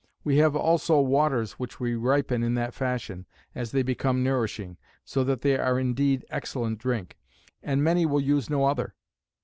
We have also waters which we ripen in that fashion, as they become nourishing; so that they are indeed excellent drink; and many will use no other.